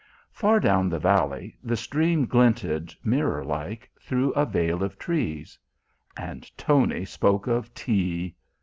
Far down the valley the stream glinted, mirror like, through a veil of trees. And Tony spoke of tea!